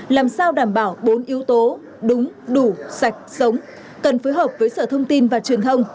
làm sao đảm bảo bốn yếu tố đúng đủ sạch sống cần phối hợp với sở thông tin và truyền thông